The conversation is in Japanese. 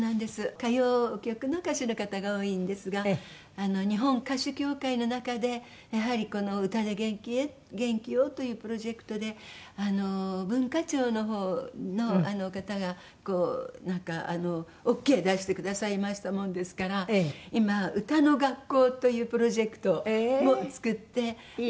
歌謡曲の歌手の方が多いんですが日本歌手協会の中でやはりこの「歌で元気を」というプロジェクトであの文化庁のほうの方がこうなんかオーケー出してくださいましたものですから今「歌の学校」というプロジェクトを作って。